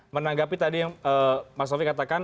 menanggapi tadi yang mas sofi katakan